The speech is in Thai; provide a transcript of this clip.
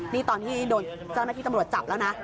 นี่ตอนที่โดนเจ้าหน้าที่ตำรวจจับแล้วนะ